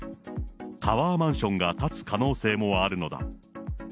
タワーマンションが建つ可能性もあるのだ。